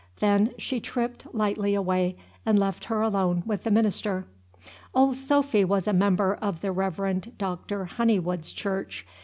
Then she tripped lightly away, and left her alone with the minister. Old Sophy was a member of the Reverend Doctor Honeywood's church.